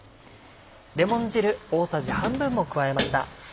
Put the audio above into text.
レモン汁大さじ半分も加えました。